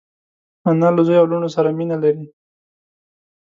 انا له زوی او لوڼو سره مینه لري